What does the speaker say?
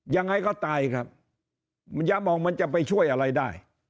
ยังไงก็ตายครับมันจะมองมันจะไปช่วยอะไรได้